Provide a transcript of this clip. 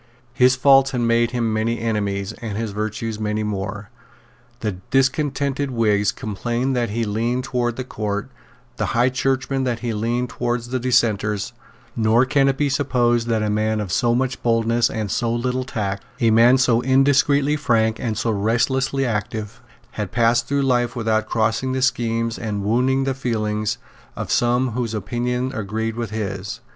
His faults had made him many enemies, and his virtues many more. The discontented Whigs complained that he leaned towards the Court, the High Churchmen that he leaned towards the Dissenters; nor can it be supposed that a man of so much boldness and so little tact, a man so indiscreetly frank and so restlessly active, had passed through life without crossing the schemes and wounding the feelings of some whose opinions agreed with his.